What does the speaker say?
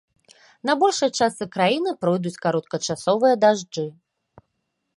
На большай частцы краіны пройдуць кароткачасовыя дажджы.